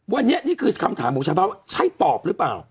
วันนี้นี่คือคำถามของชาวบ้านว่าใช่ปอบหรือเปล่า